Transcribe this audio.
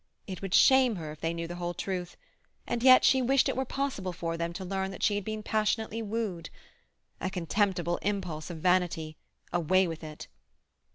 It would shame her if they knew the whole truth—and yet she wished it were possible for them to learn that she had been passionately wooed. A contemptible impulse of vanity; away with it!